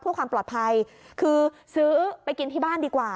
เพื่อความปลอดภัยคือซื้อไปกินที่บ้านดีกว่า